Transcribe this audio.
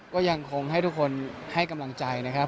ก็ยังคงให้ทุกคนให้กำลังใจนะครับ